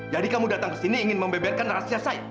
jadi kamu datang ke sini ingin membeberkan rahasia saya